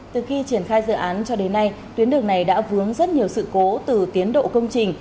từ khi triển khai dự án cho đến nay tuyến đường này đã vướng rất nhiều sự cố từ tiến độ công trình